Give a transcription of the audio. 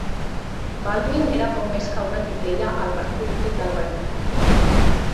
Baldwin era poc més que una titella al marc polític del regnat.